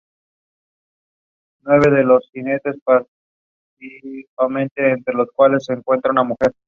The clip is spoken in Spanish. Ha ilustrado libros con textos propios y de otros autores.